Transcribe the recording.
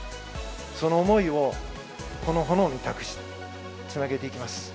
その思いを、この炎に託し、つなげていきます。